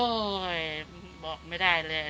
โอ้ยบอกไม่ได้เลย